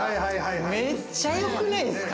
めっちゃよくないっすか？